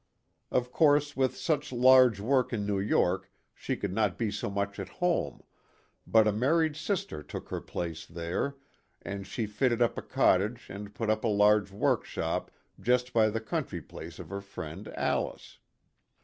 Of course with such large work in New York she could not be so much at home, but a mar ried sister took her place there, and she fitted up a cottage and put up a large " workshop " just by the country place of her friend Alice.